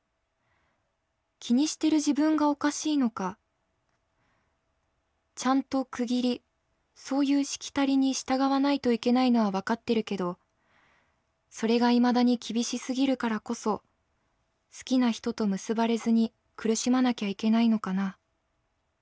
気にしてる自分が可笑しいのかちゃんと区切りそういうしきたりに従わないといけないのは分かってるけどそれが未だに厳しすぎるからこそ好きな人と結ばれずに苦しまなきゃいけないのかな。